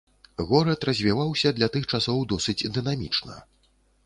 Горад развіваўся для тых часоў досыць дынамічна.